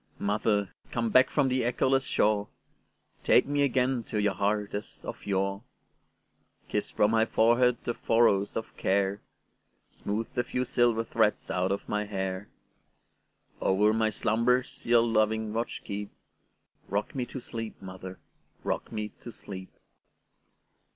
Mother, come back from the echoless shore, Take me again to your heart as of yore; Kiss from my forehead the furrows of care, Smooth the few silver threads out of my hair; Over my slumbers your loving watch keep;—Rock me to sleep, mother,—rock me to sleep!